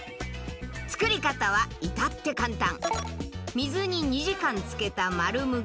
作り方は至って簡単。